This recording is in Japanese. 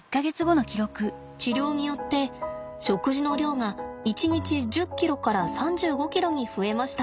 治療によって食事の量が一日１０ｋｇから３５ｋｇに増えました。